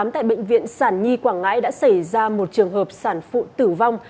tại bệnh viện sản nhi quảng ngãi đã xảy ra một trường hợp sản phụ tử vong